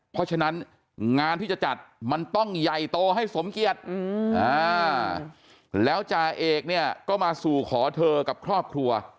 เพราะฉะนั้นงานที่จะจัดมันต้องใหญ่โตให้สมเกียจแล้วจ่าเอกเนี่ยก็มาสู่ขอเธอกับครอบครัว